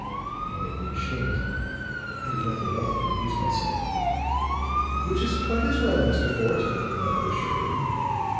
"You make me ashamed; I do nothing at all but amuse myself." "Which is quite as well, Mr. Fort," the mother assured him.